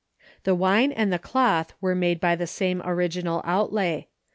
The wine and the cloth were made by the same original outlay.